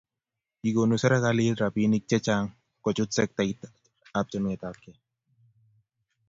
kikonu serikalit robinik che chang' kuchut sektaita chametabgei